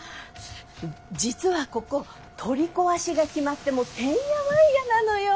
実はここ取り壊しが決まってもうてんやわんやなのよ。